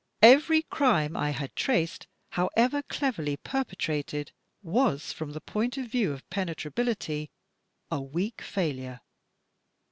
Every crime I had traced, however cleverly perpetrated, was from the point of view of penetrability a weak failure.